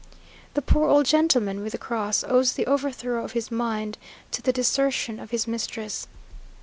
The poor old gentleman with the cross owes the overthrow of his mind to the desertion of his mistress.